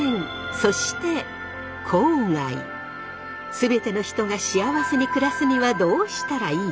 全ての人が幸せに暮らすにはどうしたらいいか？